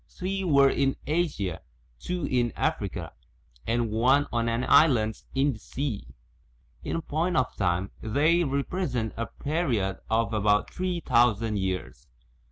Three were in Asia, two in Africa, and one on an island in the sea. In point of time they represent a period of about three thousand years.